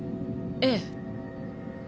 ええ。